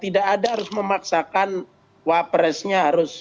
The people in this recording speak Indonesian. tidak ada harus memaksakan wak presidenya harus saying